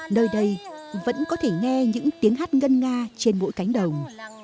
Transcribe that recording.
nơi đây vẫn có thể nghe những tiếng hát ngân nga trên mỗi cánh đồng